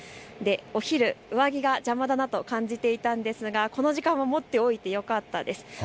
お昼、上着が邪魔だと感じていたんですが、この時間、持っておいてよかったです。